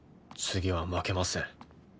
次は負けません。